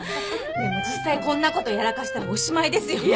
でも実際こんなことやらかしたらおしまいですよね。